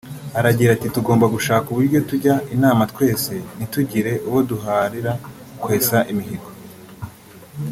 Aragira ati “Tugomba gushaka uburyo tujya inama twese ntitugire uwo duharira kwesa imihigo